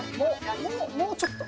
もうちょっと！